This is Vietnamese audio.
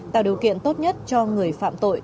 tạo điều kiện tốt nhất cho người phạm tội